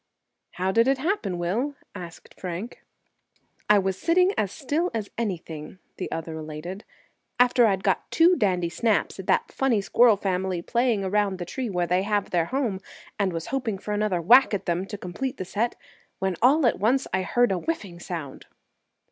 "How did it happen, Will?" asked Frank. "I was sitting as still as anything," the other related, "after I'd got two dandy snaps at that funny squirrel family playing around the tree where they have their home, and was hoping for another whack at them to complete the set, when all at once I heard a whiffing sound."